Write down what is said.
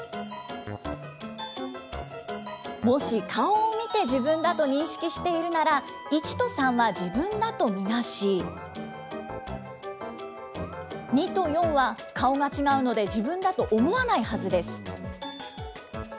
もし、顔を見て自分だと認識しているなら、１と３は自分だと見なし、２と４は顔が違うので、自分だと思わないはずです。